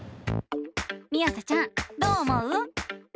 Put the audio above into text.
みあさちゃんどう思う？